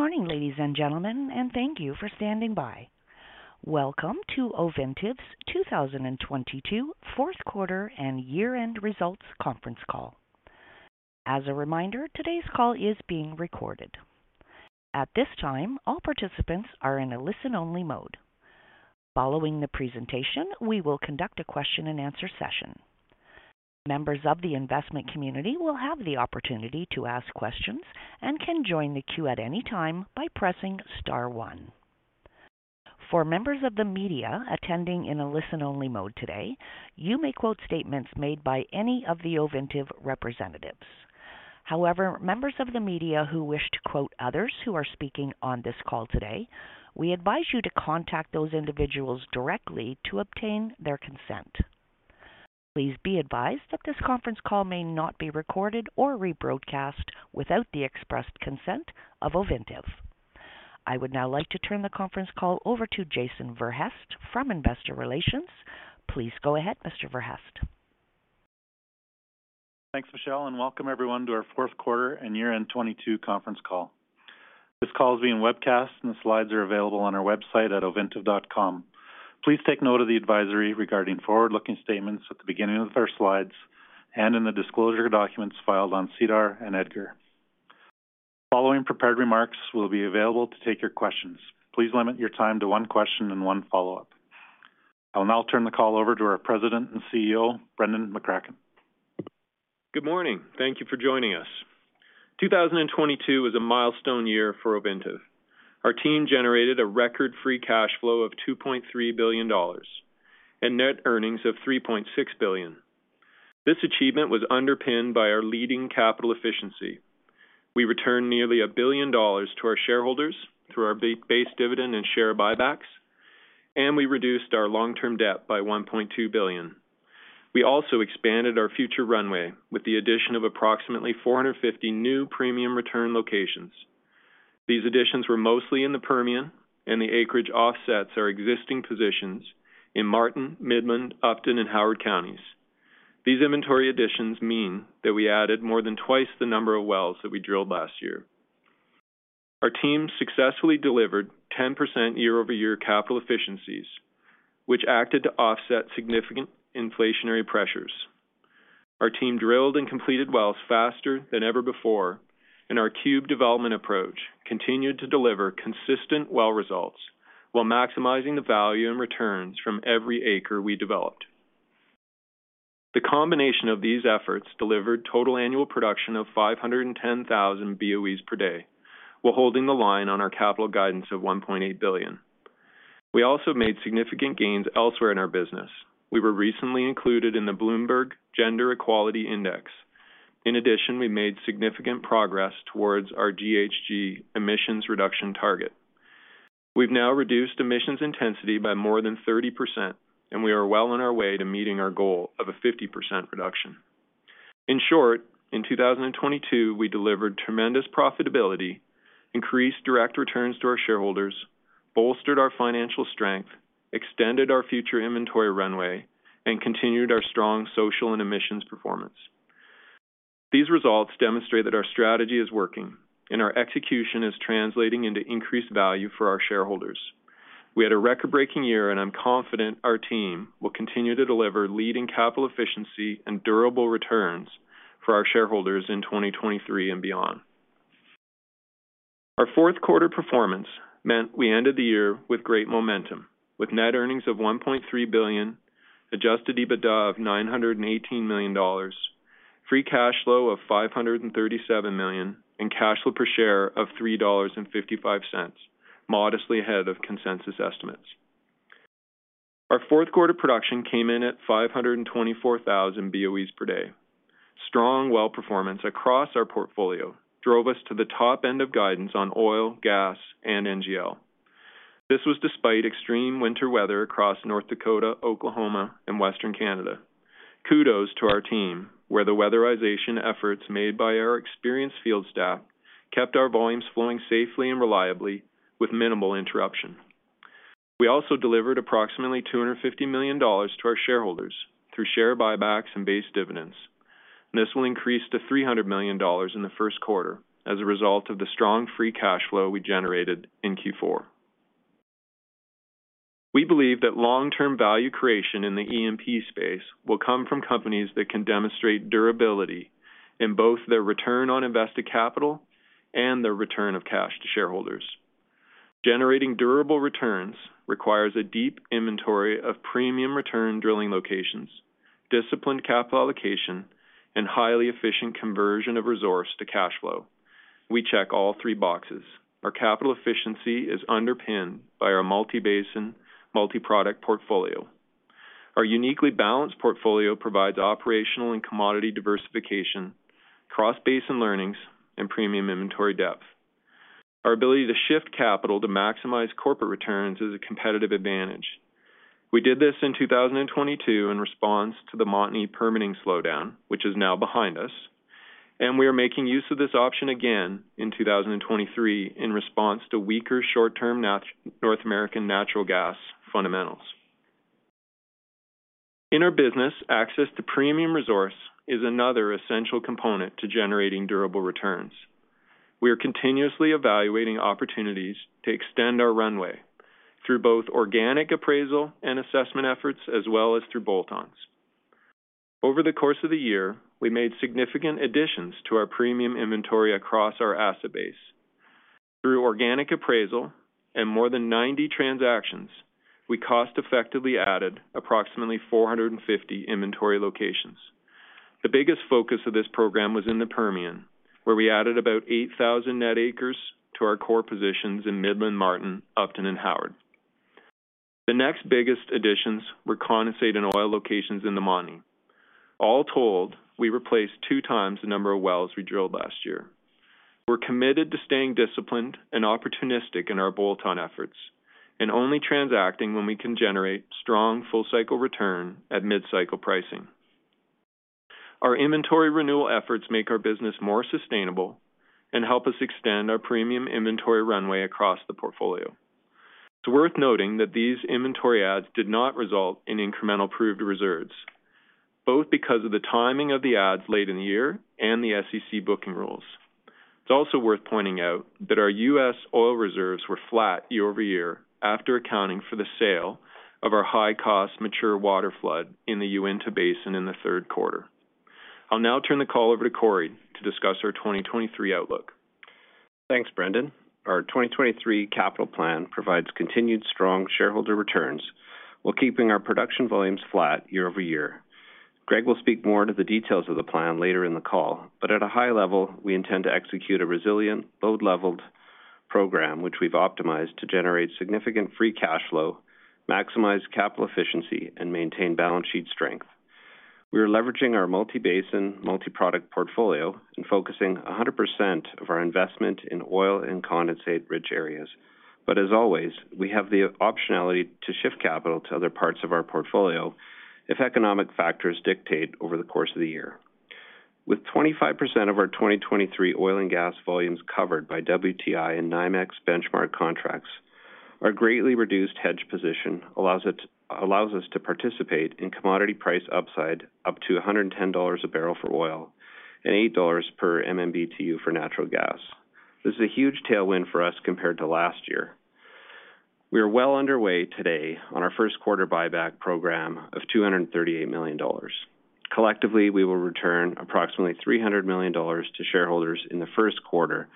Good morning, ladies and gentlemen, thank you for standing by. Welcome to Ovintiv's 2022 4th quarter and year-end results conference call. As a reminder, today's call is being recorded. At this time, all participants are in a listen-only mode. Following the presentation, we will conduct a question-and-answer session. Members of the investment community will have the opportunity to ask questions and can join the queue at any time by pressing star one. Members of the media who wish to quote others who are speaking on this call today, we advise you to contact those individuals directly to obtain their consent. Please be advised that this conference call may not be recorded or rebroadcast without the expressed consent of Ovintiv. I would now like to turn the conference call over to Jason Verhaest from Investor Relations. Please go ahead, Mr. Verhaest. Thanks, Michelle. Welcome everyone to our fourth quarter and year-end 2022 conference call. This call is being webcast and the slides are available on our website at ovintiv.com. Please take note of the advisory regarding forward-looking statements at the beginning of our slides and in the disclosure documents filed on SEDAR and EDGAR. Following prepared remarks, we'll be available to take your questions. Please limit your time to one question and one follow-up. I will now turn the call over to our President and CEO, Brendan McCracken. Good morning. Thank you for joining us. 2022 was a milestone year for Ovintiv. Our team generated a record free cash flow of $2.3 billion and net earnings of $3.6 billion. This achievement was underpinned by our leading capital efficiency. We returned nearly $1 billion to our base dividend and share buybacks, and we reduced our long-term debt by $1.2 billion. We also expanded our future runway with the addition of approximately 450 new premium return locations. These additions were mostly in the Permian, and the acreage offsets our existing positions in Martin, Midland, Upton, and Howard counties. These inventory additions mean that we added more than twice the number of wells that we drilled last year. Our team successfully delivered 10% year-over-year capital efficiencies, which acted to offset significant inflationary pressures. Our team drilled and completed wells faster than ever before, and our cube development approach continued to deliver consistent well results while maximizing the value and returns from every acre we developed. The combination of these efforts delivered total annual production of 510,000 BOEs per day while holding the line on our capital guidance of $1.8 billion. We also made significant gains elsewhere in our business. We were recently included in the Bloomberg Gender-Equality Index. In addition, we made significant progress towards our GHG emissions reduction target. We've now reduced emissions intensity by more than 30%, and we are well on our way to meeting our goal of a 50% reduction. In short, in 2022, we delivered tremendous profitability, increased direct returns to our shareholders, bolstered our financial strength, extended our future inventory runway, and continued our strong social and emissions performance. These results demonstrate that our strategy is working and our execution is translating into increased value for our shareholders. We had a record-breaking year, and I'm confident our team will continue to deliver leading capital efficiency and durable returns for our shareholders in 2023 and beyond. Our fourth quarter performance meant we ended the year with great momentum, with net earnings of $1.3 billion, Adjusted EBITDA of $918 million, Free Cash Flow of $537 million, and cash flow per share of $3.55, modestly ahead of consensus estimates. Our fourth quarter production came in at 524,000 BOEs per day. Strong well performance across our portfolio drove us to the top end of guidance on oil, gas, and NGL. This was despite extreme winter weather across North Dakota, Oklahoma, and Western Canada. Kudos to our team, where the weatherization efforts made by our experienced field staff kept our volumes flowing safely and reliably with minimal interruption. We also delivered approximately $250 million to our shareholders through share buybacks and base dividends. This will increase to $300 million in the first quarter as a result of the strong free cash flow we generated in Q4. We believe that long-term value creation in the E&P space will come from companies that can demonstrate durability in both their return on invested capital and their return of cash to shareholders. Generating durable returns requires a deep inventory of premium return drilling locations, disciplined capital allocation, and highly efficient conversion of resource to cash flow. We check all three boxes. Our capital efficiency is underpinned by our multi-basin, multi-product portfolio. Our uniquely balanced portfolio provides operational and commodity diversification, cross-basin learnings, and premium inventory depth. Our ability to shift capital to maximize corporate returns is a competitive advantage. We did this in 2022 in response to the Montney permitting slowdown, which is now behind us, and we are making use of this option again in 2023 in response to weaker short-term North American natural gas fundamentals. In our business, access to premium resource is another essential component to generating durable returns. We are continuously evaluating opportunities to extend our runway through both organic appraisal and assessment efforts, as well as through bolt-ons. Over the course of the year, we made significant additions to our premium inventory across our asset base. Through organic appraisal and more than 90 transactions, we cost effectively added approximately 450 inventory locations. The biggest focus of this program was in the Permian, where we added about 8,000 net acres to our core positions in Midland, Martin, Upton and Howard. The next biggest additions were condensate and oil locations in the Montney. All told, we replaced 2x the number of wells we drilled last year. We're committed to staying disciplined and opportunistic in our bolt-on efforts and only transacting when we can generate strong full-cycle return at mid-cycle pricing. Our inventory renewal efforts make our business more sustainable and help us extend our premium inventory runway across the portfolio. It's worth noting that these inventory adds did not result in incremental proved reserves, both because of the timing of the adds late in the year and the SEC booking rules. It's also worth pointing out that our U.S. oil reserves were flat year-over-year after accounting for the sale of our high-cost mature water flood in the Uinta Basin in the third quarter. I'll now turn the call over to Corey to discuss our 2023 outlook. Thanks, Brendan. Our 2023 capital plan provides continued strong shareholder returns while keeping our production volumes flat year-over-year. Greg will speak more to the details of the plan later in the call. At a high level, we intend to execute a resilient load-leveled program which we've optimized to generate significant free cash flow, maximize capital efficiency, and maintain balance sheet strength. We are leveraging our multi-basin, multi-product portfolio and focusing 100% of our investment in oil and condensate-rich areas. As always, we have the optionality to shift capital to other parts of our portfolio if economic factors dictate over the course of the year. With 25% of our 2023 oil and gas volumes covered by WTI and NYMEX benchmark contracts, our greatly reduced hedge position allows us to participate in commodity price upside up to $110 a barrel for oil and $8 per MMBtu for natural gas. This is a huge tailwind for us compared to last year. We are well underway today on our first quarter buyback program of $238 million. Collectively, we will return approximately $300 million to shareholders in the first quarter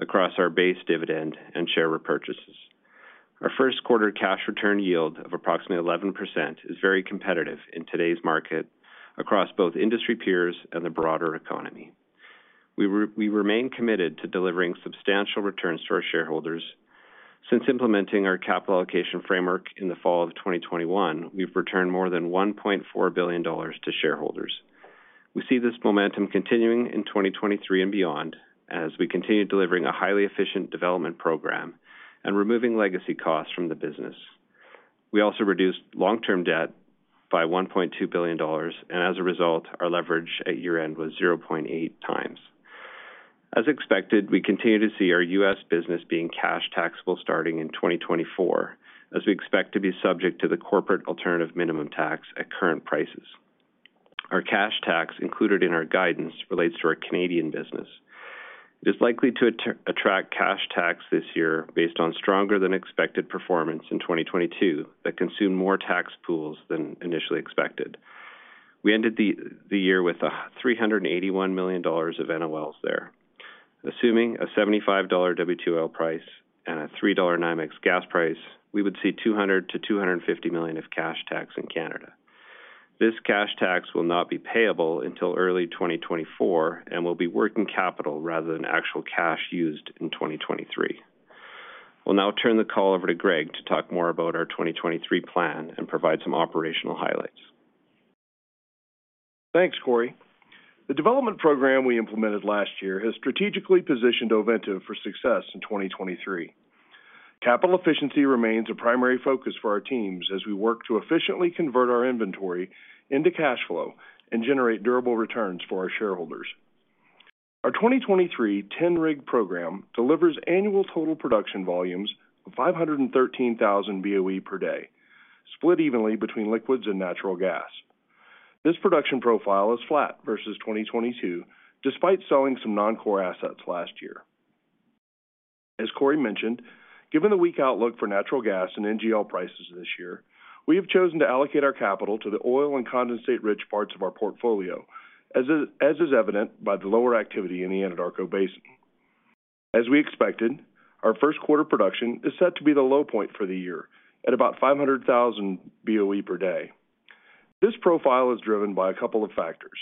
across our base dividend and share repurchases. Our first quarter cash return yield of approximately 11% is very competitive in today's market across both industry peers and the broader economy. We remain committed to delivering substantial returns to our shareholders. Since implementing our capital allocation framework in the fall of 2021, we've returned more than $1.4 billion to shareholders. We see this momentum continuing in 2023 and beyond as we continue delivering a highly efficient development program and removing legacy costs from the business. We also reduced long-term debt by $1.2 billion. As a result, our leverage at year-end was 0.8 times. As expected, we continue to see our U.S. business being cash taxable starting in 2024, as we expect to be subject to the Corporate Alternative Minimum Tax at current prices. Our cash tax included in our guidance relates to our Canadian business. It is likely to attract cash tax this year based on stronger than expected performance in 2022 that consume more tax pools than initially expected. We ended the year with $381 million of NOLs there. Assuming a $75 WTI price and a $3 NYMEX gas price, we would see 200 million-250 million of cash tax in Canada. This cash tax will not be payable until early 2024 and will be working capital rather than actual cash used in 2023. We'll now turn the call over to Greg to talk more about our 2023 plan and provide some operational highlights. Thanks, Corey. The development program we implemented last year has strategically positioned Ovintiv for success in 2023. Capital efficiency remains a primary focus for our teams as we work to efficiently convert our inventory into cash flow and generate durable returns for our shareholders. Our 2023 10-rig program delivers annual total production volumes of 513,000 BOE per day, split evenly between liquids and natural gas. This production profile flat versus 2022, despite selling some non-core assets last year. As Corey mentioned, given the weak outlook for natural gas and NGL prices this year, we have chosen to allocate our capital to the oil and condensate-rich parts of our portfolio, as is evident by the lower activity in the Anadarko Basin. As we expected, our first quarter production is set to be the low point for the year at about 500,000 BOE per day. This profile is driven by a couple of factors.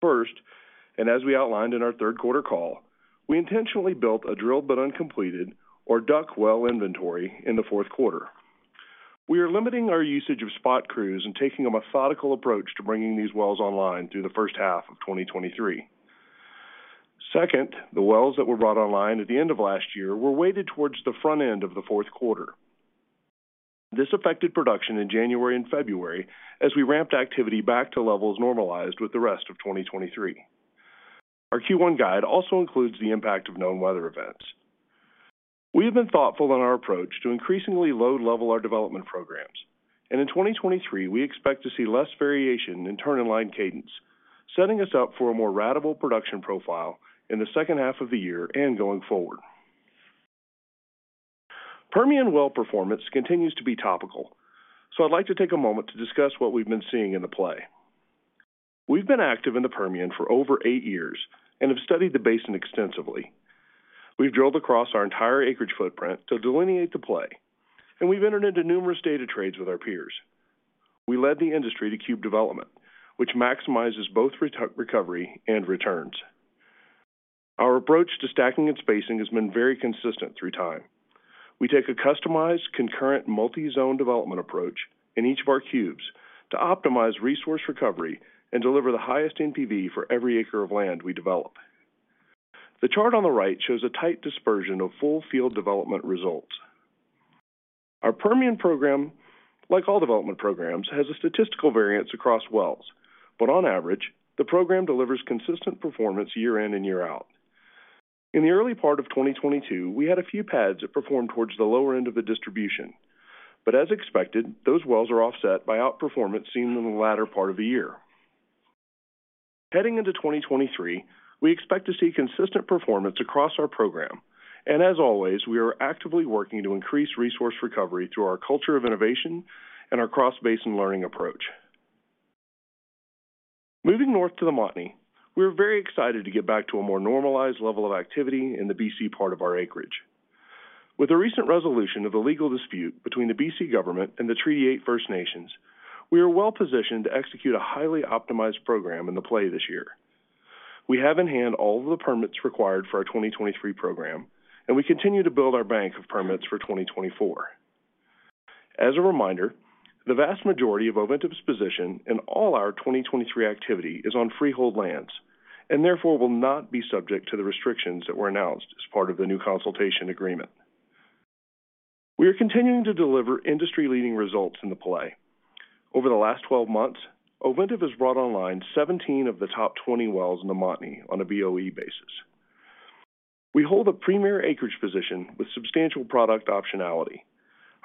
First, and as we outlined in our third quarter call, we intentionally built a drilled but uncompleted or DUC well inventory in the fourth quarter. We are limiting our usage of spot crews and taking a methodical approach to bringing these wells online through the first half of 2023. Second, the wells that were brought online at the end of last year were weighted towards the front end of the fourth quarter. This affected production in January and February as we ramped activity back to levels normalized with the rest of 2023. Our Q1 guide also includes the impact of known weather events. We have been thoughtful in our approach to increasingly load level our development programs. In 2023, we expect to see less variation in turn in line cadence, setting us up for a more ratable production profile in the second half of the year and going forward. Permian well performance continues to be topical, so I'd like to take a moment to discuss what we've been seeing in the play. We've been active in the Permian for over eight years and have studied the basin extensively. We've drilled across our entire acreage footprint to delineate the play, and we've entered into numerous data trades with our peers. We led the industry to cube development, which maximizes both recovery and returns. Our approach to stacking and spacing has been very consistent through time. We take a customized, concurrent multi-zone development approach in each of our cubes to optimize resource recovery and deliver the highest NPV for every acre of land we develop. The chart on the right shows a tight dispersion of full field development results. Our Permian program, like all development programs, has a statistical variance across wells. On average, the program delivers consistent performance year in and year out. In the early part of 2022, we had a few pads that performed towards the lower end of the distribution. As expected, those wells are offset by outperformance seen in the latter part of the year. Heading into 2023, we expect to see consistent performance across our program. As always, we are actively working to increase resource recovery through our culture of innovation and our cross basin learning approach. Moving north to the Montney, we're very excited to get back to a more normalized level of activity in the BC part of our acreage. With the recent resolution of the legal dispute between the BC government and the Treaty 8 First Nations, we are well-positioned to execute a highly optimized program in the play this year. We have in hand all of the permits required for our 2023 program. We continue to build our bank of permits for 2024. As a reminder, the vast majority of Ovintiv's position in all our 2023 activity is on freehold lands, and therefore will not be subject to the restrictions that were announced as part of the new consultation agreement. We are continuing to deliver industry-leading results in the play. Over the last 12 months, Ovintiv has brought online 17 of the top 20 wells in the Montney on a BOE basis. We hold a premier acreage position with substantial product optionality.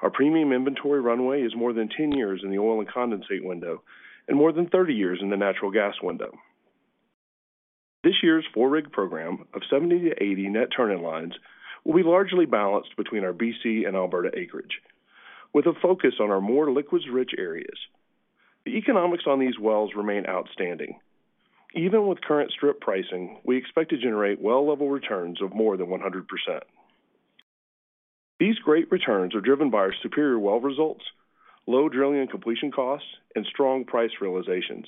Our premium inventory runway is more than 10 years in the oil and condensate window and more than 30 years in the natural gas window. This year's four-rig program of 70-80 net turn-in-lines will be largely balanced between our BC and Alberta acreage, with a focus on our more liquids-rich areas. The economics on these wells remain outstanding. Even with current strip pricing, we expect to generate well level returns of more than 100%. These great returns are driven by our superior well results, low drilling and completion costs, and strong price realizations.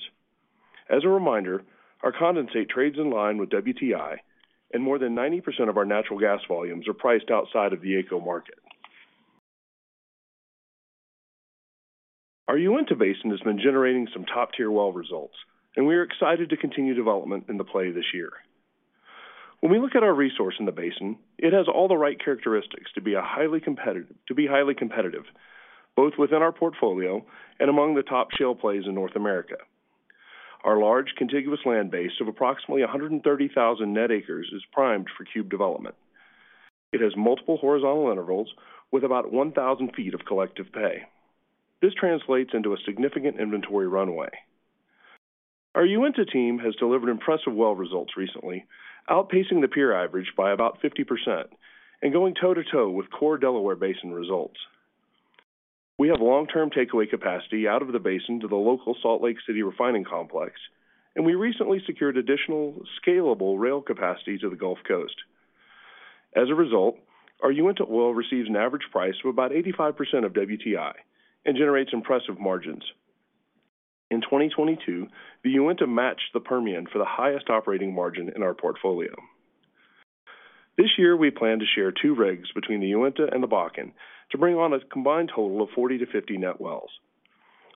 As a reminder, our condensate trades in line with WTI. More than 90% of our natural gas volumes are priced outside of the AECO market. Our Uinta Basin has been generating some top-tier well results. We are excited to continue development in the play this year. When we look at our resource in the basin, it has all the right characteristics to be highly competitive, both within our portfolio and among the top shale plays in North America. Our large contiguous land base of approximately 130,000 net acres is primed for cube development. It has multiple horizontal intervals with about 1,000 ft of collective pay. This translates into a significant inventory runway. Our Uinta team has delivered impressive well results recently, outpacing the peer average by about 50% and going toe-to-toe with core Delaware Basin results. We have long-term takeaway capacity out of the basin to the local Salt Lake City refining complex. We recently secured additional scalable rail capacity to the Gulf Coast. As a result, our Uinta oil receives an average price of about 85% of WTI and generates impressive margins. In 2022, the Uinta matched the Permian for the highest operating margin in our portfolio. This year, we plan to share two rigs between the Uinta and the Bakken to bring on a combined total of 40-50 net wells.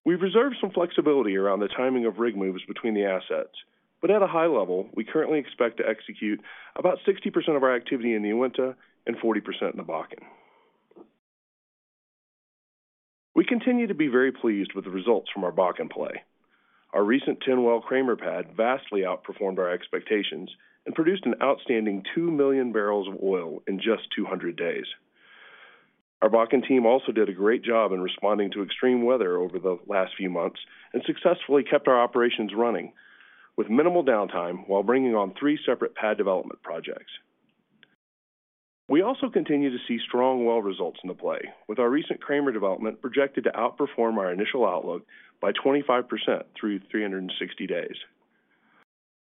We've reserved some flexibility around the timing of rig moves between the assets, but at a high level, we currently expect to execute about 60% of our activity in the Uinta and 40% in the Bakken. We continue to be very pleased with the results from our Bakken play. Our recent 10-well Kramer pad vastly outperformed our expectations and produced an outstanding 2 million barrels of oil in just 200 days. Our Bakken team also did a great job in responding to extreme weather over the last few months and successfully kept our operations running with minimal downtime while bringing on three separate pad development projects. We also continue to see strong well results in the play with our recent Kramer development projected to outperform our initial outlook by 25% through 360 days.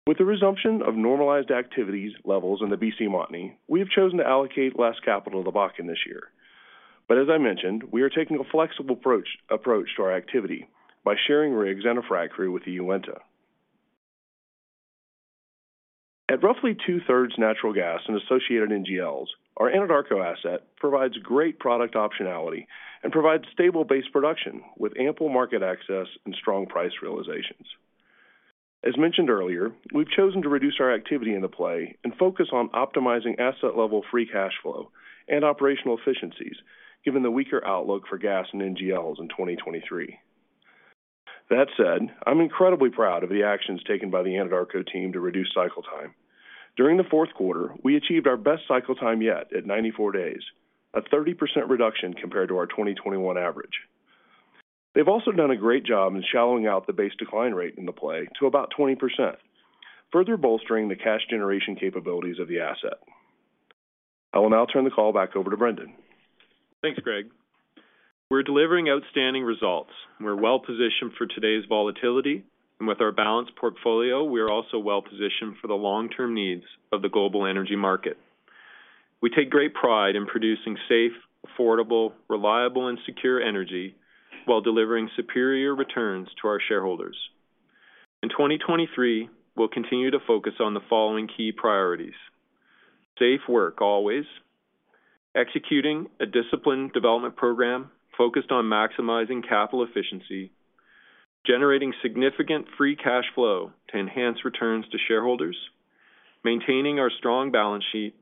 With the resumption of normalized activities levels in the BC Montney, we have chosen to allocate less capital to Bakken this year. As I mentioned, we are taking a flexible approach to our activity by sharing rigs and a c At roughly 2/3 natural gas and associated NGLs, our Anadarko asset provides great product optionality and provides stable base production with ample market access and strong price realizations. As mentioned earlier, we've chosen to reduce our activity in the play and focus on optimizing asset-level free cash flow and operational efficiencies, given the weaker outlook for gas and NGLs in 2023. That said, I'm incredibly proud of the actions taken by the Anadarko team to reduce cycle time. During the fourth quarter, we achieved our best cycle time yet at 94 days, a 30% reduction compared to our 2021 average. They've also done a great job in shallowing out the base decline rate in the play to about 20%, further bolstering the cash generation capabilities of the asset. I will now turn the call back over to Brendan. Thanks, Greg. We're delivering outstanding results. We're well-positioned for today's volatility. With our balanced portfolio, we are also well-positioned for the long-term needs of the global energy market. We take great pride in producing safe, affordable, reliable, and secure energy while delivering superior returns to our shareholders. In 2023, we'll continue to focus on the following key priorities: safe work always, executing a disciplined development program focused on maximizing capital efficiency, generating significant free cash flow to enhance returns to shareholders, maintaining our strong balance sheet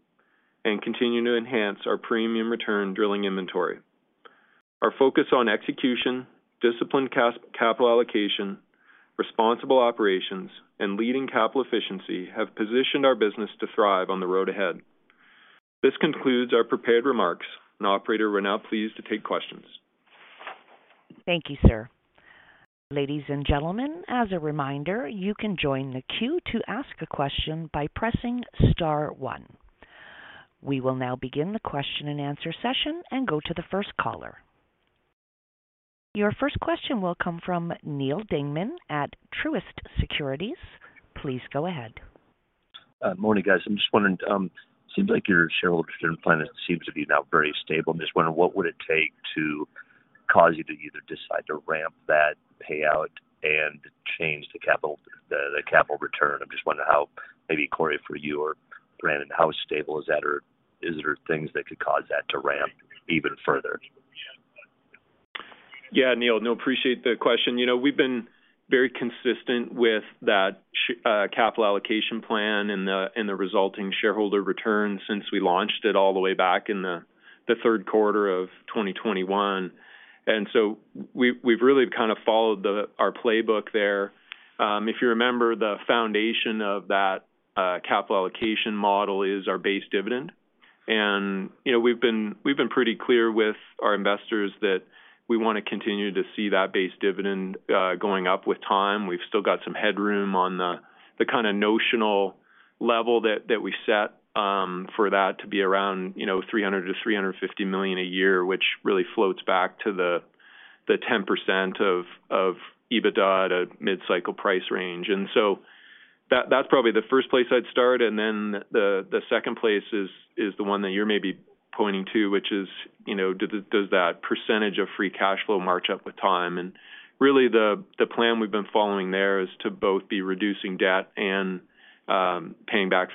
and continuing to enhance our premium return drilling inventory. Our focus on execution, disciplined capital allocation, responsible operations, and leading capital efficiency have positioned our business to thrive on the road ahead. This concludes our prepared remarks. Now, operator, we're now pleased to take questions. Thank you, sir. Ladies and gentlemen, as a reminder, you can join the queue to ask a question by pressing star one. We will now begin the question-and-answer session and go to the first caller. Your first question will come from Neal Dingmann at Truist Securities. Please go ahead. Morning, guys. I'm just wondering, seems like your shareholders return plan seems to be now very stable. I'm just wondering, what would it take to cause you to either decide to ramp that payout and change the capital, the capital return? I'm just wondering how, maybe Corey for you or Brendan, how stable is that or is there things that could cause that to ramp even further? Yeah, Neal. No, appreciate the question. You know, we've been very consistent with that capital allocation plan and the resulting shareholder returns since we launched it all the way back in the third quarter of 2021. We've really kind of followed our playbook there. If you remember, the foundation of that capital allocation model is our base dividend. You know, we've been pretty clear with our investors that we wanna continue to see that base dividend going up with time. We've still got some headroom on the kinda notional level that we set for that to be around, you know, $300 million-$350 million a year, which really floats back to the 10% of EBITDA at a mid-cycle price range. That's probably the first place I'd start. The second place is the one that you're maybe pointing to, which is, you know, does that percentage of free cash flow march up with time? Really the plan we've been following there is to both be reducing debt and paying back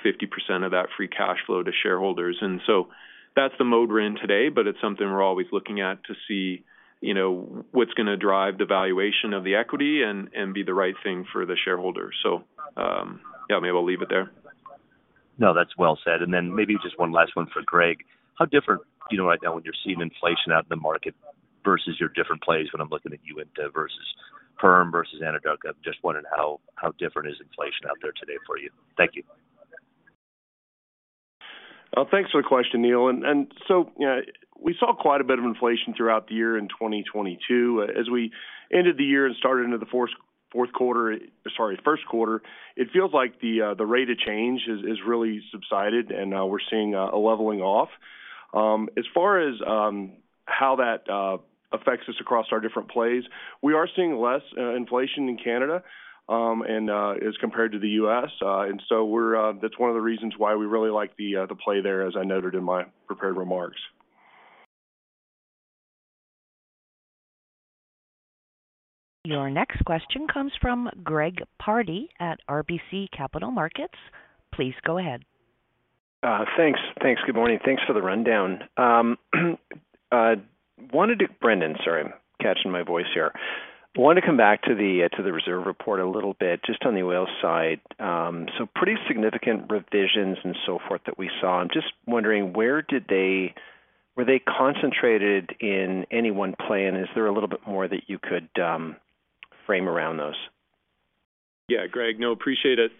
50% of that free cash flow to shareholders. That's the mode we're in today, but it's something we're always looking at to see, you know, what's gonna drive the valuation of the equity and be the right thing for the shareholder. Yeah, maybe I'll leave it there. No, that's well said. Maybe just one last one for Greg. How different, you know, right now when you're seeing inflation out in the market versus your different plays when I'm looking at Uinta versus Perm versus Anadarko. I'm just wondering how different is inflation out there today for you? Thank you. Thanks for the question, Neal. We saw quite a bit of inflation throughout the year in 2022. As we ended the year and started into the fourth quarter, sorry, first quarter, it feels like the rate of change is really subsided, and we're seeing a leveling off. As far as how that affects us across our different plays, we are seeing less inflation in Canada, and as compared to the U.S., and so we're that's one of the reasons why we really like the play there, as I noted in my prepared remarks. Your next question comes from Greg Pardy at RBC Capital Markets. Please go ahead. Thanks. Good morning. Thanks for the rundown. Brendan, sorry. I'm catching my voice here. I wanted to come back to the reserve report a little bit just on the oil side. Pretty significant revisions and so forth that we saw. I'm just wondering where were they concentrated in any one play, and is there a little bit more that you could frame around those? Yeah. Greg, no, appreciate it.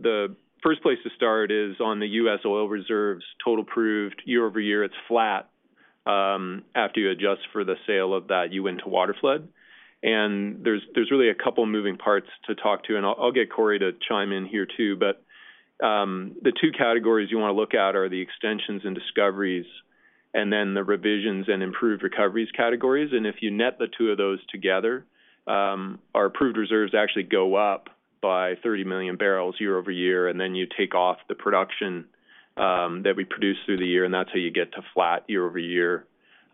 The first place to start is on the U.S. oil reserves total proved year-over-year, it's flat after you adjust for the sale of that Uinta Waterflood. There's really a couple moving parts to talk to, and I'll get Corey to chime in here too. The two categories you wanna look at are the extensions and discoveries and then the revisions and improved recoveries categories. If you net the two of those together, our approved reserves actually go up by 30 million barrels year-over-year, and then you take off the production that we produced through the year, and that's how you get to flat year-over-year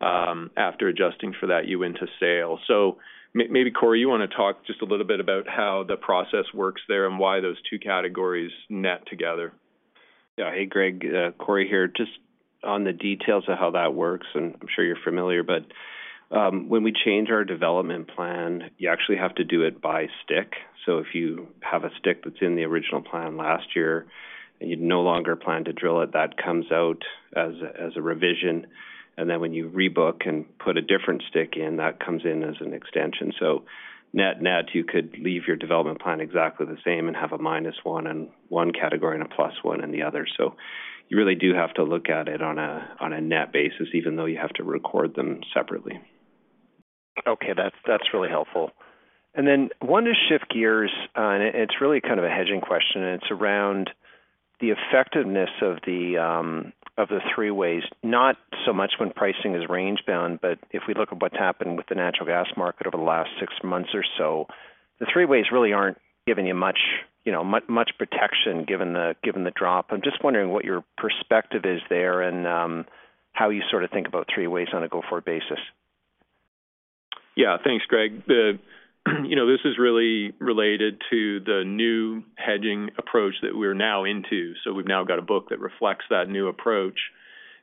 after adjusting for that Uinta sale. Maybe, Corey, you wanna talk just a little bit about how the process works there and why those two categories net together? Yeah. Hey, Greg, Corey here. Just on the details of how that works, and I'm sure you're familiar, but when we change our development plan, you actually have to do it by stick. If you have a stick that's in the original plan last year and you no longer plan to drill it, that comes out as a revision. Then when you rebook and put a different stick in, that comes in as an extension. Net-net, you could leave your development plan exactly the same and have a -1 in one category and a +1 in the other. You really do have to look at it on a net basis, even though you have to record them separately. Okay, that's really helpful. Wanted to shift gears, and it's really kind of a hedging question, and it's around the effectiveness of the three-ways, not so much when pricing is range-bound, but if we look at what's happened with the natural gas market over the last six months or so, the three-ways really aren't giving you much, you know, much protection given the drop. I'm just wondering what your perspective is there and how you sort of think about three-ways on a go-forward basis. Yeah. Thanks, Greg. You know, this is really related to the new hedging approach that we're now into. We've now got a book that reflects that new approach.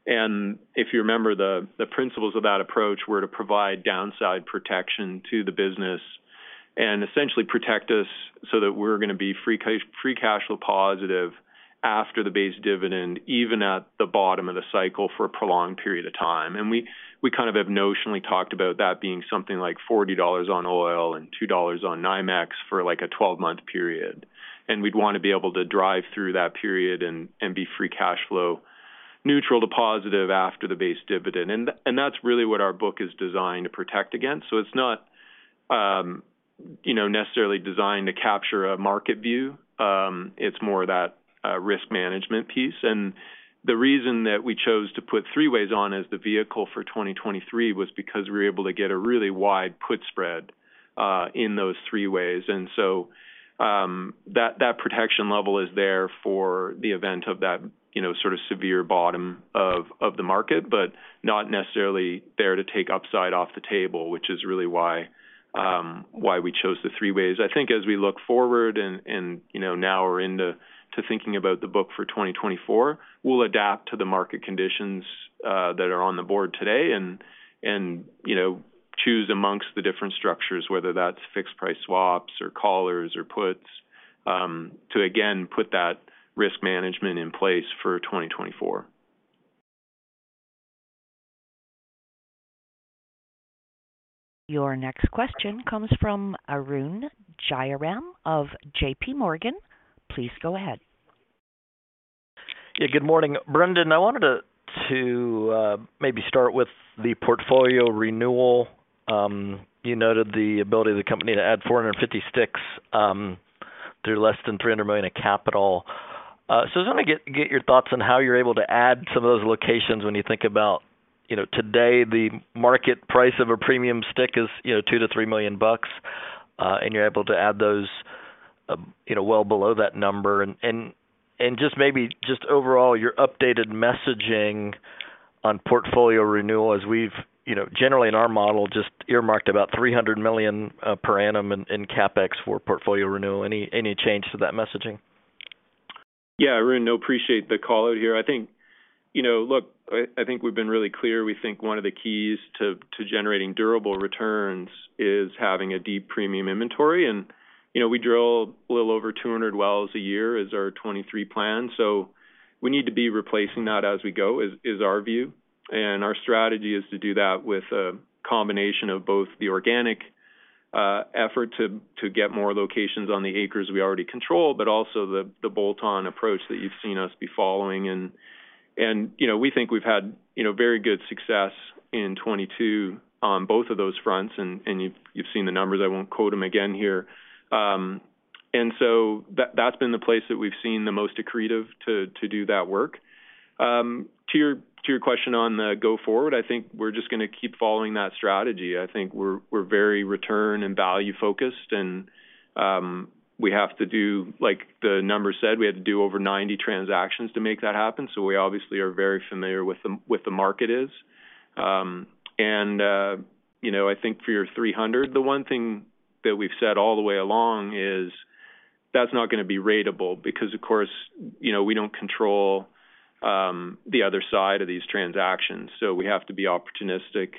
If you remember, the principles of that approach were to provide downside protection to the business and essentially protect us so that we're gonna be free cash flow positive after the base dividend, even at the bottom of the cycle for a prolonged period of time. We kind of have notionally talked about that being something like $40 on oil and $2 on NYMEX for, like, a 12-month period. We'd wanna be able to drive through that period and be free cash flow neutral to positive after the base dividend. That's really what our book is designed to protect against. It's not, you know, necessarily designed to capture a market view. It's more that risk management piece. The reason that we chose to put three-ways on as the vehicle for 2023 was because we were able to get a really wide put spread in those three-ways. That protection level is there for the event of that, you know, sort of severe bottom of the market, but not necessarily there to take upside off the table, which is really why we chose the three-ways. I think as we look forward and, you know, now we're into thinking about the book for 2024, we'll adapt to the market conditions that are on the board today and, you know, choose amongst the different structures, whether that's fixed price swaps or collars or puts, to again, put that risk management in place for 2024. Your next question comes from Arun Jayaram of JPMorgan. Please go ahead. Good morning. Brendan, I wanted to maybe start with the portfolio renewal. You noted the ability of the company to add 450 sticks through less than $300 million in capital. Just want to get your thoughts on how you're able to add some of those locations when you think about, you know, today the market price of a premium stick is, you know, $2 million-$3 million, and you're able to add those, you know, well below that number. Just maybe just overall, your updated messaging on portfolio renewal as we've, you know, generally in our model, just earmarked about $300 million per annum in CapEx for portfolio renewal. Any change to that messaging? Yeah. Arun, no, appreciate the call out here. I think, you know, look, I think we've been really clear. We think one of the keys to generating durable returns is having a deep premium inventory. You know, we drill a little over 200 wells a year is our 2023 plan. We need to be replacing that as we go, is our view. Our strategy is to do that with a combination of both the organic effort to get more locations on the acres we already control, but also the bolt-on approach that you've seen us be following. You know, we think we've had, you know, very good success in 2022 on both of those fronts. You've seen the numbers. I won't quote them again here. That's been the place that we've seen the most accretive to do that work. To your question on the go-forward, I think we're just gonna keep following that strategy. I think we're very return and value-focused and we have to do like the numbers said, we had to do over 90 transactions to make that happen, so we obviously are very familiar with the market is. You know, I think for your 300, the one thing that we've said all the way along is that's not gonna be ratable because, of course, you know, we don't control the other side of these transactions, so we have to be opportunistic.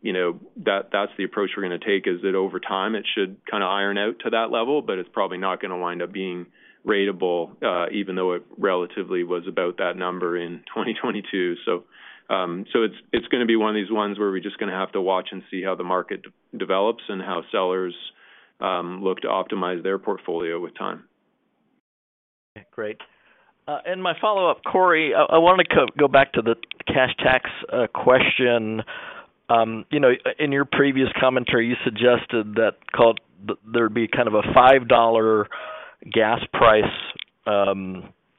You know, that's the approach we're gonna take is that over time, it should kind of iron out to that level, but it's probably not gonna wind up being ratable, even though it relatively was about that number in 2022. It's gonna be one of these ones where we're just gonna have to watch and see how the market de-develops and how sellers look to optimize their portfolio with time. Okay, great. My follow-up, Corey, I want to go back to the cash tax question. You know, in your previous commentary, you suggested that there'd be kind of a $5 gas price,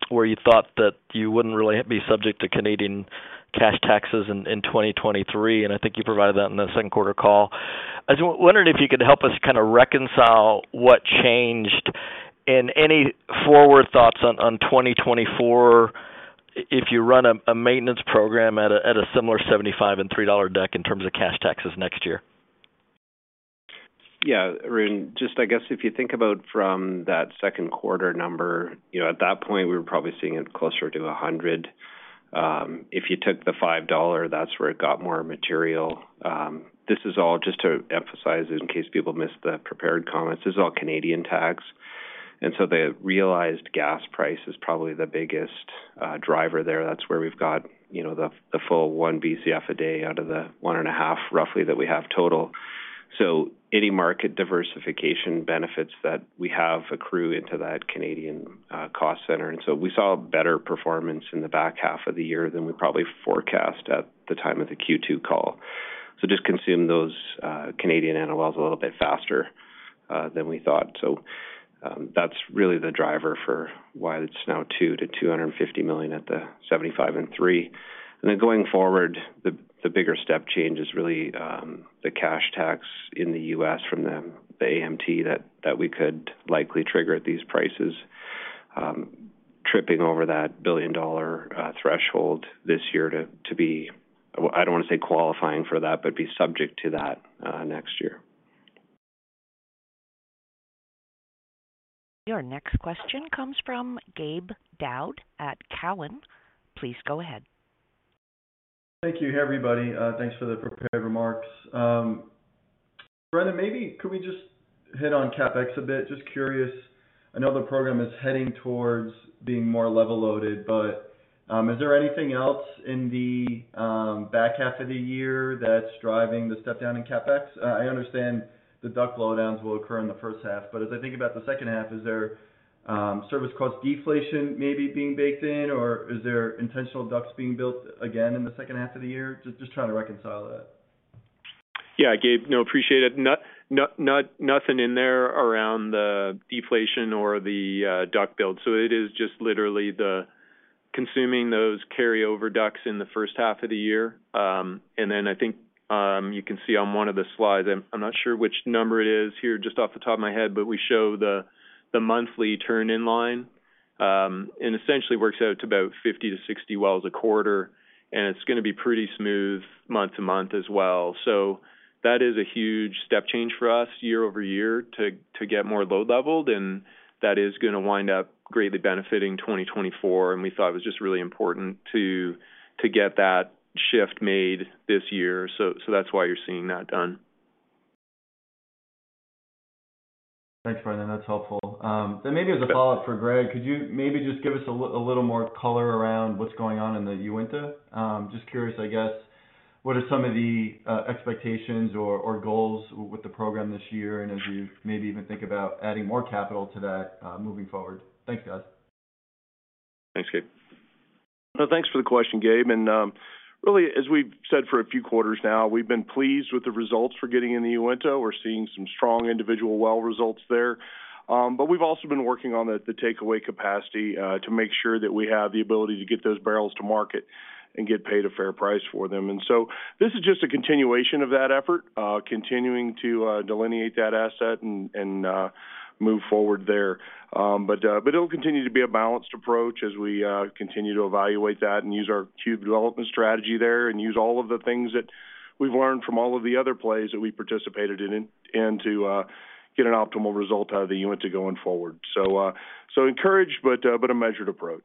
where you thought that you wouldn't really have to be subject to Canadian cash taxes in 2023, and I think you provided that in the second quarter call. I wondered if you could help us kinda reconcile what changed and any forward thoughts on 2024 if you run a maintenance program at a, at a similar $75 and $3 deck in terms of cash taxes next year. Arun, just I guess if you think about from that second quarter number, you know, at that point, we were probably seeing it closer to 100. If you took the 5 dollar, that's where it got more material. This is all just to emphasize in case people missed the prepared comments. This is all Canadian tax. The realized gas price is probably the biggest driver there. That's where we've got, you know, the full 1 Bcf/d out of the 1.5 roughly that we have total. Any market diversification benefits that we have accrue into that Canadian cost center. We saw a better performance in the back half of the year than we probably forecast at the time of the Q2 call. Just consume those Canadian NOLs a little bit faster than we thought. That's really the driver for why it's now 200million-250 million at the 75 and 3. Going forward, the bigger step change is really, the cash tax in the U.S. from the AMT that we could likely trigger at these prices, tripping over that billion-dollar threshold this year to be, I don't want to say qualifying for that, but be subject to that next year. Your next question comes from Gabe Daoud at TD Cowen. Please go ahead. Thank you. Hey, everybody, thanks for the prepared remarks. Brendan, maybe could we just hit on CapEx a bit? Just curious. I know the program is heading towards being more level loaded, but, is there anything else in the back half of the year that's driving the step down in CapEx? I understand the DUC lowdowns will occur in the first half, but as I think about the second half, is there service cost deflation maybe being baked in, or is there intentional DUCs being built again in the second half of the year? Just trying to reconcile that. Gabe, no, appreciate it. Nothing in there around the deflation or the DUC build. It is just literally the consuming those carryover DUCs in the first half of the year. I think you can see on one of the slides, I'm not sure which number it is here just off the top of my head, but we show the monthly turn in line. Essentially, it works out to about 50-60 wells a quarter, and it's gonna be pretty smooth month-to-month as well. That is a huge step change for us year-over-year to get more load-leveled. That is gonna wind up greatly benefiting 2024. We thought it was just really important to get that shift made this year. That's why you're seeing that done. Thanks, Brendan. That's helpful. Maybe as a follow-up for Greg, could you maybe just give us a little more color around what's going on in the Uinta? Just curious, I guess, what are some of the expectations or goals with the program this year, and as you maybe even think about adding more capital to that, moving forward? Thanks, guys. Thanks, Gabe. No, thanks for the question, Gabe. Really, as we've said for a few quarters now, we've been pleased with the results we're getting in the Uinta. We're seeing some strong individual well results there. We've also been working on the takeaway capacity to make sure that we have the ability to get those barrels to market and get paid a fair price for them. This is just a continuation of that effort, continuing to delineate that asset and move forward there. It'll continue to be a balanced approach as we continue to evaluate that and use our cube development strategy there and use all of the things that we've learned from all of the other plays that we participated in and to get an optimal result out of the Uinta going forward. So encouraged, but a measured approach.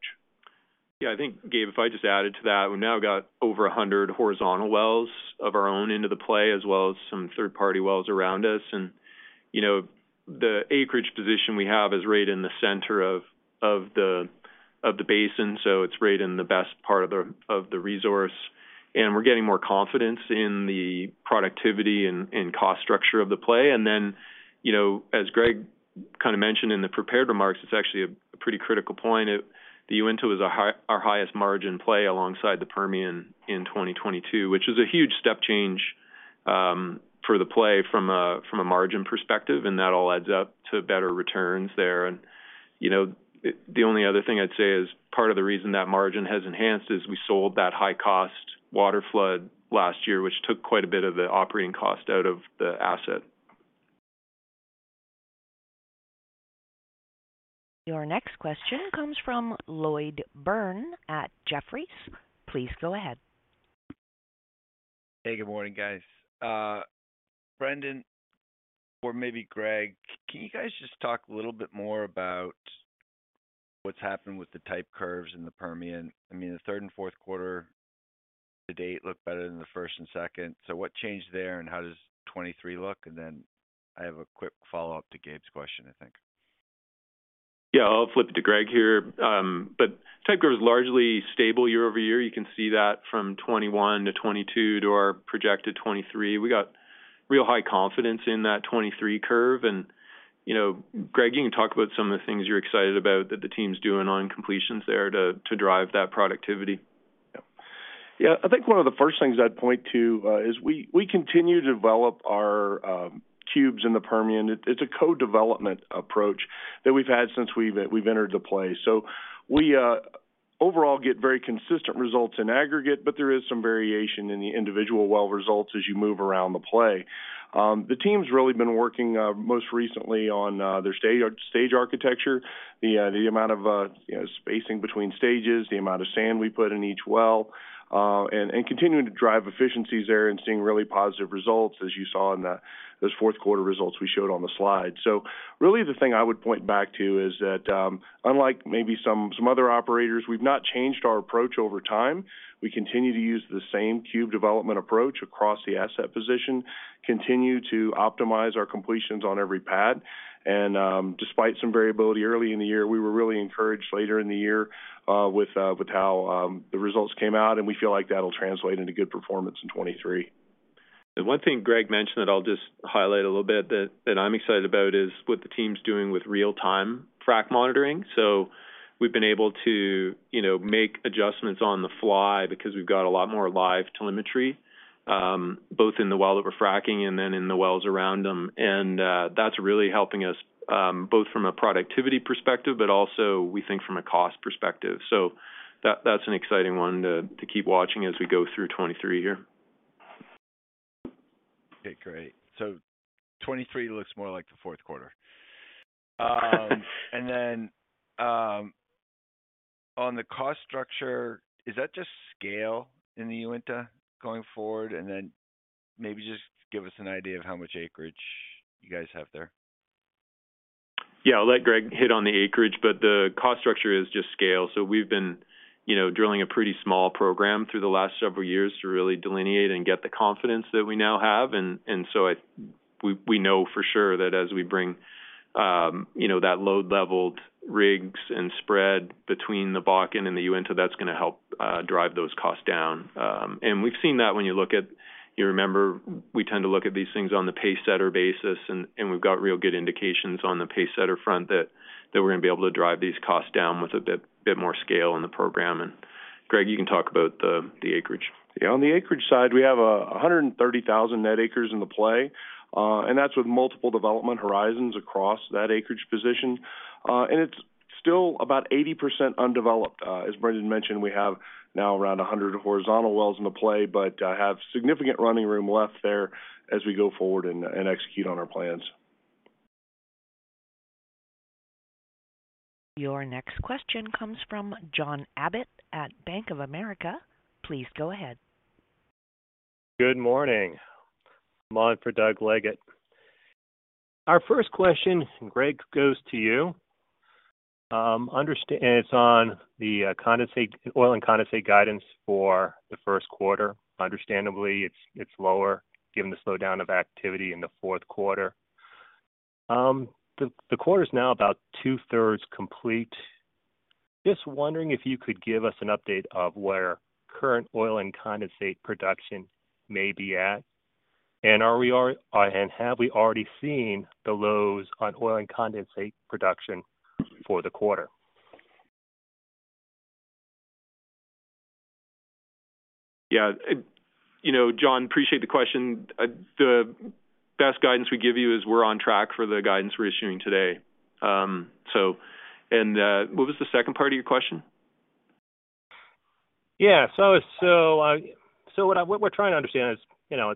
Yeah, I think, Gabe, if I just added to that, we've now got over 100 horizontal wells of our own into the play as well as some third-party wells around us. You know, the acreage position we have is right in the center of the basin, so it's right in the best part of the resource. We're getting more confidence in the productivity and cost structure of the play. You know, as Greg kind of mentioned in the prepared remarks, it's actually a pretty critical point. The Uinta is our highest margin play alongside the Permian in 2022, which is a huge step change for the play from a margin perspective, and that all adds up to better returns there. You know, the only other thing I'd say is part of the reason that margin has enhanced is we sold that high-cost water flood last year, which took quite a bit of the operating cost out of the asset. Your next question comes from Lloyd Byrne at Jefferies. Please go ahead. Hey, good morning, guys. Brendan or maybe Greg, can you guys just talk a little bit more about what's happened with the type curves in the Permian? I mean, the third and fourth quarter to date looked better than the first and second. What changed there and how does 2023 look? Then I have a quick follow-up to Gabe's question, I think. Yeah, I'll flip it to Greg here. Type curve is largely stable year-over-year. You can see that from 2021 to 2022 to our projected 2023. We got real high confidence in that 2023 curve. You know, Greg, you can talk about some of the things you're excited about that the team's doing on completions there to drive that productivity. Yeah. Yeah. I think one of the first things I'd point to is we continue to develop our cubes in the Permian. It's a co-development approach that we've had since we've entered the play. We overall get very consistent results in aggregate, but there is some variation in the individual well results as you move around the play. The team's really been working most recently on their stage architecture, the amount of, you know, spacing between stages, the amount of sand we put in each well, and continuing to drive efficiencies there and seeing really positive results as you saw in those fourth quarter results we showed on the slide. Really the thing I would point back to is that unlike maybe some other operators, we've not changed our approach over time. We continue to use the same cube development approach across the asset position, continue to optimize our completions on every pad. Despite some variability early in the year, we were really encouraged later in the year with how the results came out, and we feel like that'll translate into good performance in 2023. The one thing Greg mentioned that I'll just highlight a little bit that I'm excited about is what the team's doing with real-time frac monitoring. We've been able to, you know, make adjustments on the fly because we've got a lot more live telemetry, both in the well that we're fracking and then in the wells around them. That's really helping us, both from a productivity perspective but also we think from a cost perspective. That, that's an exciting one to keep watching as we go through 2023 here. Okay, great. 2023 looks more like the fourth quarter. On the cost structure, is that just scale in the Uinta going forward? Maybe just give us an idea of how much acreage you guys have there? Yeah. I'll let Greg hit on the acreage, but the cost structure is just scale. We've been, you know, drilling a pretty small program through the last several years to really delineate and get the confidence that we now have. We know for sure that as we bring, you know, that load leveled rigs and spread between the Bakken and the Uinta, that's gonna help drive those costs down. We've seen that you remember, we tend to look at these things on the pacesetter basis and we've got real good indications on the pacesetter front that we're gonna be able to drive these costs down with a bit more scale in the program. Greg, you can talk about the acreage. Yeah. On the acreage side, we have 130,000 net acres in the play. That's with multiple development horizons across that acreage position. It's still about 80% undeveloped. As Brendan mentioned, we have now around 100 horizontal wells in the play, but have significant running room left there as we go forward and execute on our plans. Your next question comes from John Abbott at Bank of America. Please go ahead. Good morning. I'm on for Doug Leggate. Our first question, and Greg, goes to you. It's on the condensate, oil and condensate guidance for the first quarter. Understandably, it's lower given the slowdown of activity in the fourth quarter. The quarter's now about two-thirds complete. Just wondering if you could give us an update of where current oil and condensate production may be at, and have we already seen the lows on oil and condensate production for the quarter? Yeah. You know, John, appreciate the question. The best guidance we give you is we're on track for the guidance we're issuing today. What was the second part of your question? Yeah. What we're trying to understand is, you know,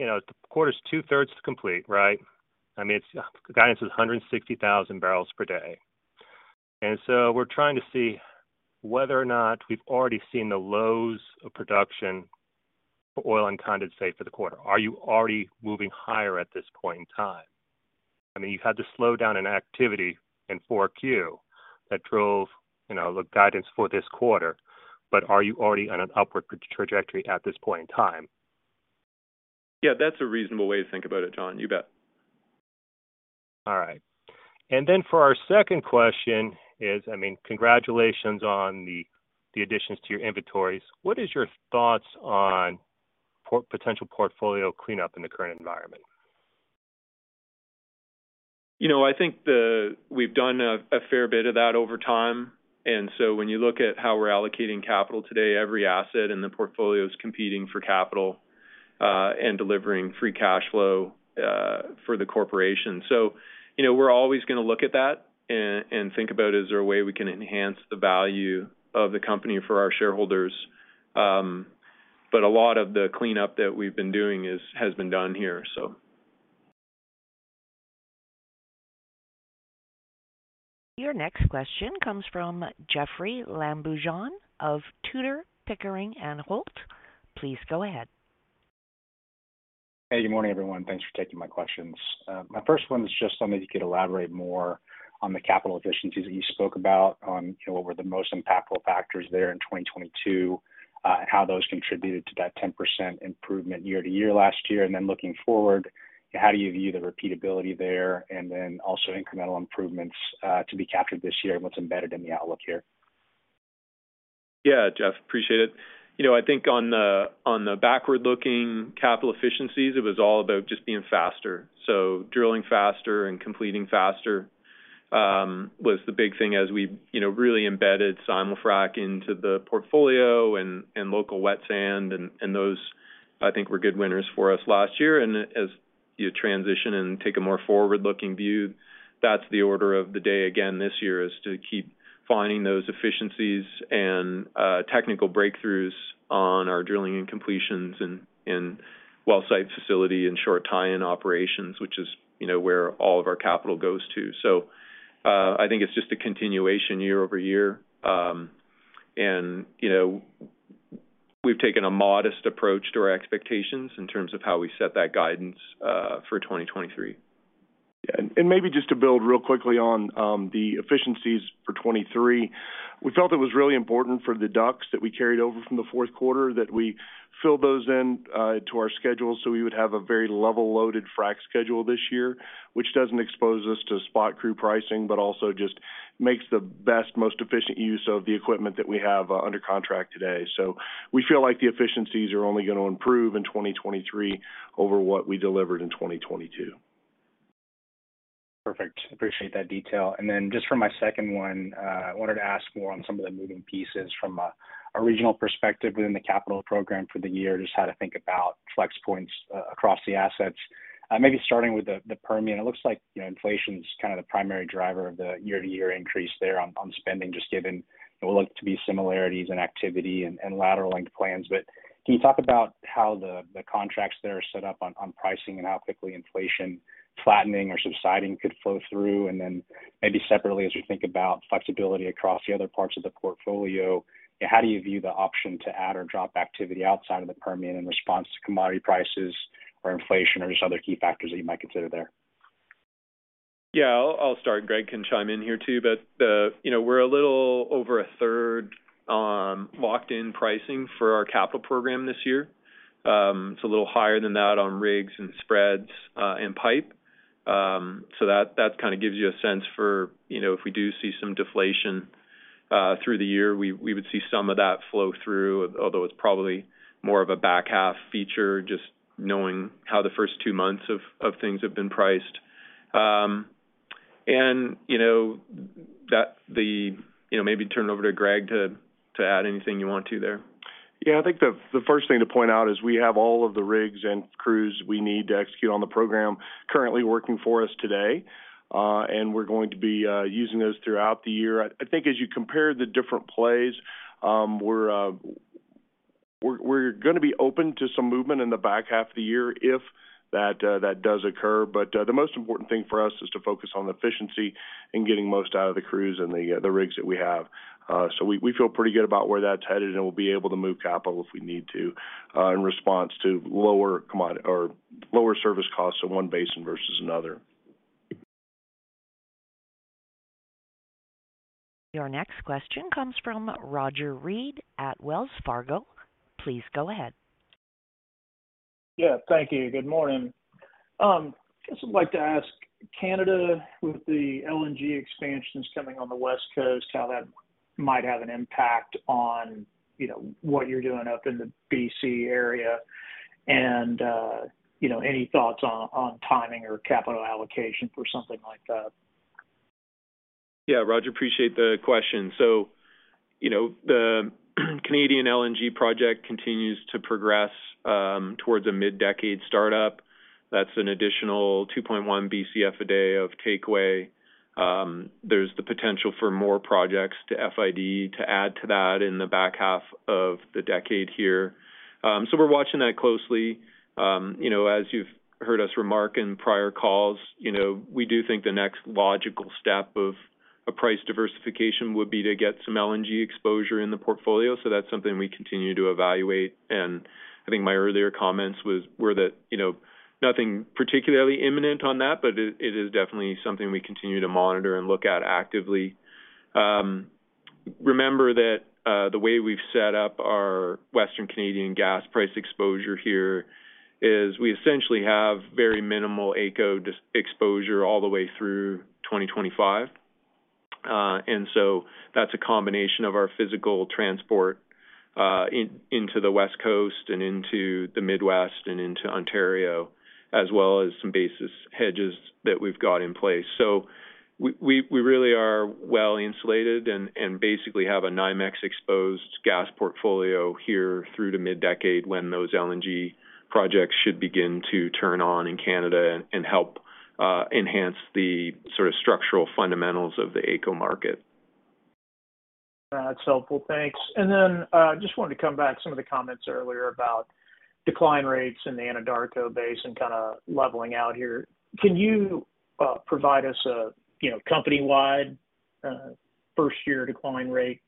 the quarter's 2/3 complete, right? I mean, its guidance is 160,000 barrels per day. We're trying to see whether or not we've already seen the lows of production for oil and condensate for the quarter. Are you already moving higher at this point in time? I mean, you've had to slow down an activity in 4Q that drove, you know, the guidance for this quarter, but are you already on an upward trajectory at this point in time? Yeah, that's a reasonable way to think about it, John. You bet. All right. For our second question is, I mean congratulations on the additions to your inventories. What is your thoughts on potential portfolio cleanup in the current environment? You know, I think we've done a fair bit of that over time, when you look at how we're allocating capital today, every asset in the portfolio is competing for capital, and delivering free cash flow for the corporation. You know, we're always gonna look at that and think about is there a way we can enhance the value of the company for our shareholders. A lot of the cleanup that we've been doing is, has been done here, so. Your next question comes from Jeoffrey Lambujon of Tudor, Pickering, and Holt. Please go ahead. Hey, good morning, everyone. Thanks for taking my questions. My first one is just wondering if you could elaborate more on the capital efficiencies that you spoke about on, you know, what were the most impactful factors there in 2022, and how those contributed to that 10% improvement year-over-year last year. Looking forward, how do you view the repeatability there, and then also incremental improvements to be captured this year and what's embedded in the outlook here? Yeah, Jeff, appreciate it. You know, I think on the backward-looking capital efficiencies, it was all about just being faster. Drilling faster and completing faster was the big thing as we, you know, really embedded simul-frac into the portfolio and local wet sand and those I think were good winners for us last year. As you transition and take a more forward-looking view, that's the order of the day again this year, is to keep finding those efficiencies and technical breakthroughs on our drilling and completions and well site facility and short tie-in operations, which is, you know, where all of our capital goes to. I think it's just a continuation year-over-year. You know, we've taken a modest approach to our expectations in terms of how we set that guidance for 2023. Maybe just to build real quickly on the efficiencies for 2023. We felt it was really important for the DUCs that we carried over from the fourth quarter that we fill those in to our schedule so we would have a very level loaded frac schedule this year, which doesn't expose us to spot crew pricing, but also just makes the best, most efficient use of the equipment that we have under contract today. We feel like the efficiencies are only gonna improve in 2023 over what we delivered in 2022. Perfect. Appreciate that detail. Just for my second one, I wanted to ask more on some of the moving pieces from a regional perspective within the capital program for the year, just how to think about flex points across the assets. Maybe starting with the Permian. It looks like, you know, inflation's kind of the primary driver of the year-to-year increase there on spending, just given what look to be similarities in activity and lateral length plans. Can you talk about how the contracts there are set up on pricing and how quickly inflation flattening or subsiding could flow through? Maybe separately, as we think about flexibility across the other parts of the portfolio, how do you view the option to add or drop activity outside of the Permian in response to commodity prices or inflation, or just other key factors that you might consider there? I'll start. Greg can chime in here too. You know, we're a little over a third on locked-in pricing for our capital program this year. It's a little higher than that on rigs and spreads and pipe. That kind of gives you a sense for, you know, if we do see some deflation through the year, we would see some of that flow through, although it's probably more of a back half feature, just knowing how the first two months of things have been priced. Maybe turn it over to Greg to add anything you want to there. I think the first thing to point out is we have all of the rigs and crews we need to execute on the program currently working for us today, and we're going to be using those throughout the year. I think as you compare the different plays, we're gonna be open to some movement in the back half of the year if that does occur. The most important thing for us is to focus on the efficiency and getting most out of the crews and the rigs that we have. We feel pretty good about where that's headed, and we'll be able to move capital if we need to in response to lower service costs in one basin versus another. Your next question comes from Roger Read at Wells Fargo. Please go ahead. Yeah. Thank you. Good morning. I guess I'd like to ask Canada, with the LNG expansions coming on the West Coast, how that might have an impact on, you know, what you're doing up in the BC area, you know, any thoughts on timing or capital allocation for something like that? Yeah. Roger, appreciate the question. You know, the Canadian LNG project continues to progress towards a mid-decade startup. That's an additional 2.1 Bcf/d of takeaway. There's the potential for more projects to FID to add to that in the back half of the decade here. We're watching that closely. You know, as you've heard us remark in prior calls, you know, we do think the next logical step of a price diversification would be to get some LNG exposure in the portfolio, so that's something we continue to evaluate. I think my earlier comments were that, you know, nothing particularly imminent on that, but it is definitely something we continue to monitor and look at actively. Remember that, the way we've set up our Western Canadian gas price exposure here is we essentially have very minimal AECO exposure all the way through 2025. That's a combination of our physical transport into the West Coast and into the Midwest and into Ontario, as well as some basis hedges that we've got in place. We really are well-insulated and basically have a NYMEX-exposed gas portfolio here through to mid-decade when those LNG projects should begin to turn on in Canada and help enhance the sort of structural fundamentals of the AECO market. That's helpful. Thanks. Just wanted to come back to some of the comments earlier about decline rates in the Anadarko Basin kinda leveling out here. Can you provide us a, you know, company-wide, first-year decline rate,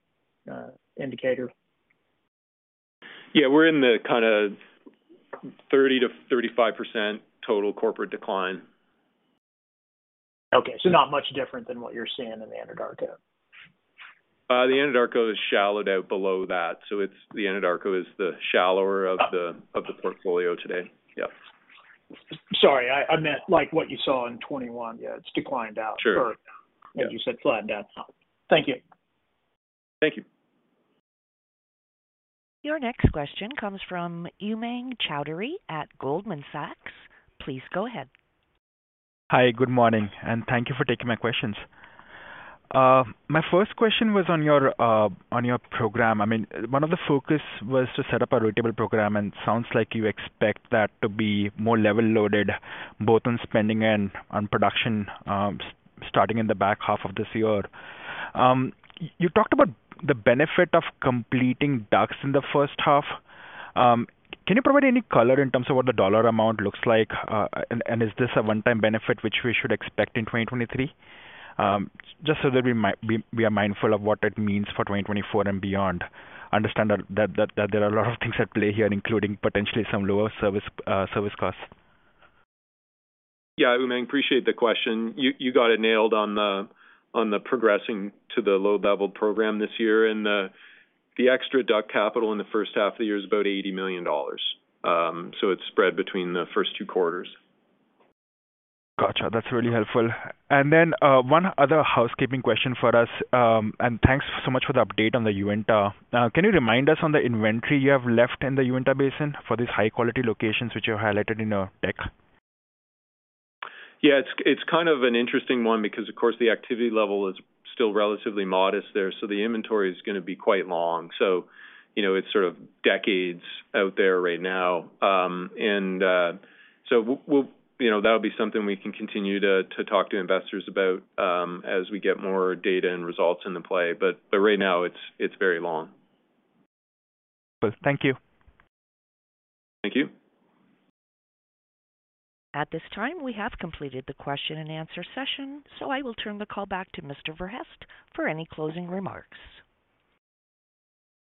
indicator? Yeah. We're in the kinda 30%-35% total corporate decline. Okay. Not much different than what you're seeing in the Anadarko. The Anadarko is shallowed out below that, so the Anadarko is the shallower of the portfolio today. Yeah. Sorry. I meant like what you saw in 2021. Yeah, it's declined. Sure. As you said, flattened out. Thank you. Thank you. Your next question comes from Umang Choudhary at Goldman Sachs. Please go ahead. Hi. Good morning, and thank you for taking my questions. My first question was on your program. I mean, one of the focus was to set up a ratable program, and it sounds like you expect that to be more level loaded, both on spending and on production, starting in the back half of this year. You talked about the benefit of completing DUCs in the first half. Can you provide any color in terms of what the dollar amount looks like? Is this a one-time benefit which we should expect in 2023? Just so that we are mindful of what it means for 2024 and beyond. I understand that there are a lot of things at play here, including potentially some lower service costs. Yeah. Umang, appreciate the question. You got it nailed on the, on the progressing to the low-level program this year. The extra DUC capital in the first half of the year is about $80 million. It's spread between the first two quarters. Gotcha. That's really helpful. One other housekeeping question for us. Thanks so much for the update on the Uinta. Can you remind us on the inventory you have left in the Uinta Basin for these high-quality locations which you highlighted in the deck? Yeah. It's kind of an interesting one because, of course, the activity level is still relatively modest there, so the inventory is gonna be quite long. You know, it's sort of decades out there right now. We'll, you know, that'll be something we can continue to talk to investors about, as we get more data and results in the play. Right now it's very long. Thank you. Thank you. At this time, we have completed the question and answer session, so I will turn the call back to Mr. Verhaest for any closing remarks.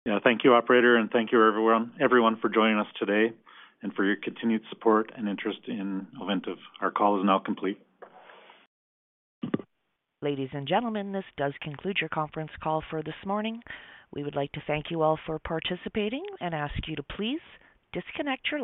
Yeah. Thank you, operator. Thank you everyone for joining us today and for your continued support and interest in Ovintiv. Our call is now complete. Ladies and gentlemen, this does conclude your conference call for this morning. We would like to thank you all for participating and ask you to please disconnect your-